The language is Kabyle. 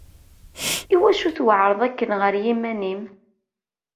Iwacu tweɛreḍ akken ɣer yiman-im?